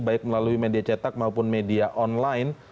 baik melalui media cetak maupun media online